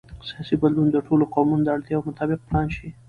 سیاسي بدلون د ټولو قومونو د اړتیاوو مطابق پلان شي